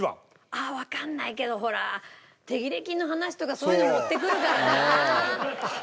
ああわかんないけどほら手切れ金の話とかそういうの持ってくるからなあ。